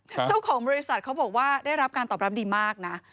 เจ้าของบริษัทเขาบอกว่าได้รับการตอบรับดีมากนะ